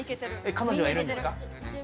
彼女はいるんですか？